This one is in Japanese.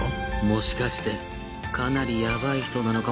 もしかしてかなりやばい人なのかもしれない。